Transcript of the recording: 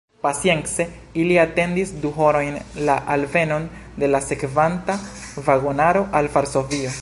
Pacience ili atendis du horojn la alvenon de la sekvanta vagonaro al Varsovio.